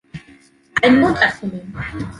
I know that woman.